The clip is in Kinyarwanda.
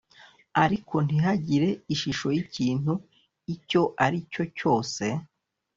ariko ntihagire ishusho y’ikintu icyo ari cyo cyose